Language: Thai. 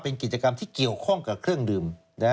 เป็นกิจกรรมที่เกี่ยวข้องกับเครื่องดื่ม